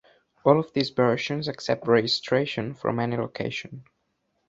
All of these versions accept registration from any location.